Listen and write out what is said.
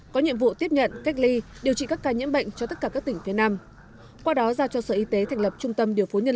có nhiệm vụ tiếp nhận cách ly điều trị các ca nhiễm bệnh cho tất cả các tỉnh phía nam